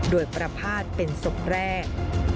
โดยประพาทเป็นศพแรก